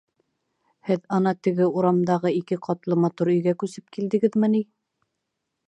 — Һеҙ ана теге урамдағы ике ҡатлы матур өйгә күсеп килдегеҙме ни?